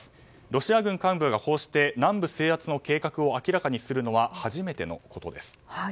ロシア軍幹部がこうして南部制圧の計画を明らかにするのは初めてのことです。